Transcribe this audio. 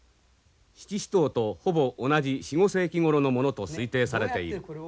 七支刀とほぼ同じ４５世紀ごろのものと推定されている。